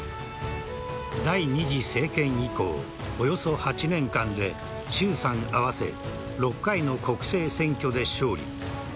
第２次政権以降、およそ８年間で衆参合わせて６回の国政選挙で勝利。